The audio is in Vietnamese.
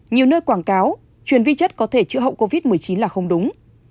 nhiều nơi quảng cáo truyền vi chất có thể chữa hậu covid một mươi chín là không đúng